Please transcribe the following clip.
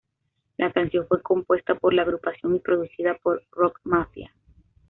La canción fue compuesta por la agrupación y producida por Rock Mafia.